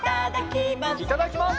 「いただきます」